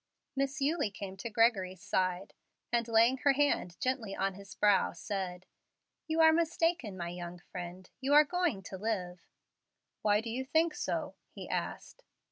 Miss Eulie came to Gregory's side, and laying her hand gently on his brow said, "You are mistaken, my young friend. You are going to live." "Why do you think so?" he asked.